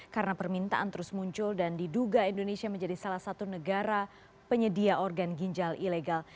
karena permintaan terus muncul dan diduga indonesia menjadi salah satu negara penyedia organ ginjal ilegal